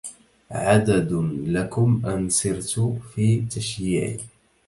عدد لكم أن سرت في تشييعي